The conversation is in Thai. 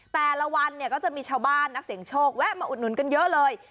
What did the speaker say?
แต่ละวันเนี่ยก็จะมีชาวบ้านนักเสียงโชคแวะมาอุดหนุนกันเยอะเลย